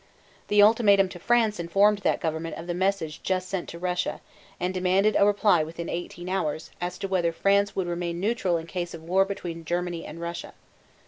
The ultimatum to France informed that government of the message just sent to Russia, and demanded a reply within eighteen hours as to whether France would remain neutral in case of war between Germany and Russia.